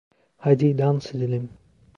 Haydi, dans edelim.